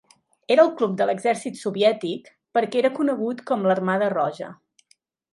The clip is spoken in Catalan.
Era el club de l'exèrcit soviètic perquè era conegut com l'armada roja.